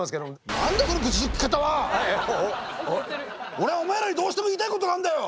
俺はお前らにどうしても言いたいことがあんだよ！